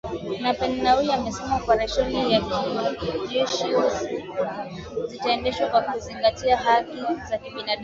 Nape Nnauye amesema operesheni za JeshiUsu zitaendeshwa kwa kuzingatia haki za kibinadamu